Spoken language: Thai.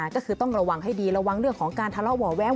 ก็คือต้องระวังให้ดีระวังเรื่องของการทะเลาะห่อแวว